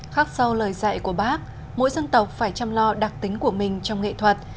khác sau lời dạy của bác mỗi dân tộc phải chăm lo đặc tính của mình trong nghệ thuật